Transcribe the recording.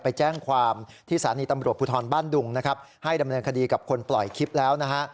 ไปแจ้งความที่สถานีตำรวจภูทรบ้านดุงนะครับให้ดำเนินคดีกับคนปล่อยคลิปแล้วนะฮะ